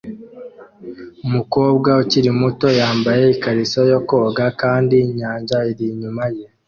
Umukobwa ukiri muto yambaye ikariso yo koga kandi inyanja iri inyuma ye